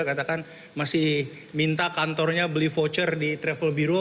katakan masih minta kantornya beli voucher di travel biro